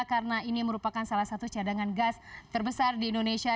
karena ini merupakan salah satu cadangan gas terbesar di indonesia